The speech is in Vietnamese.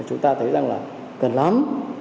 chúng ta thấy rằng là cần lắm